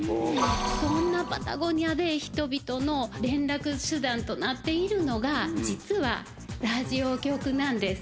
そんなパタゴニアで人々の連絡手段となっているのが、実はラジオ局なんです。